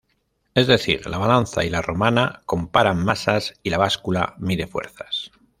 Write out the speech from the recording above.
Es decir, la balanza y la romana comparan masas y la báscula mide fuerzas.